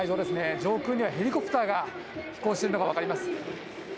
上空にはヘリコプターが飛行してるのが分かります。